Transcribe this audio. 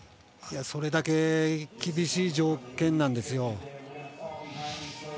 それだけ厳しい条件なんですよ。